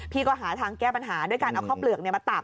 ก็หาทางแก้ปัญหาด้วยการเอาข้าวเปลือกมาตัก